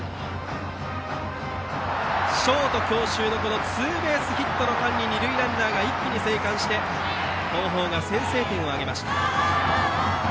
ショート強襲のツーベースヒットの間に二塁ランナーが一気に生還して東邦が先制点を挙げました。